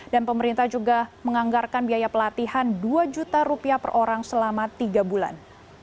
dan pemerintah juga menganggarkan biaya pelatihan dua juta rupiah per orang selama tiga bulan